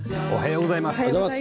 おはようございます。